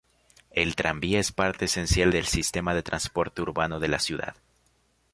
El tranvía es parte esencial del sistema de transporte urbano de la ciudad.